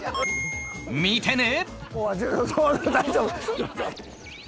見てね！